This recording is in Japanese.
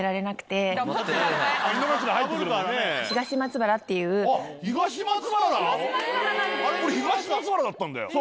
俺東松原だったんだよ。